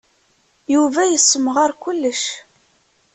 Yuba yessemɣar kullec.